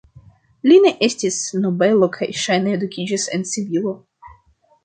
Li ne estis nobelo kaj ŝajne edukiĝis en Sevilo.